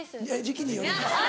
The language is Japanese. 「時期によります」。